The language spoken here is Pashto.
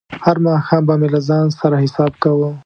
هر ماښام به مې له ځان سره حساب کاوه.